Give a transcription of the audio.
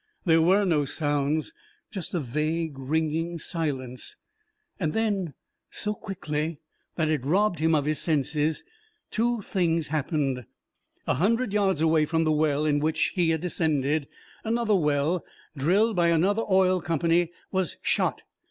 There were no sounds, just a vague, ringing silence. Then so quickly that it robbed him of his senses, two things happened. A hundred yards away from the well in which he had descended, another well, drilled by another oil company, was shot.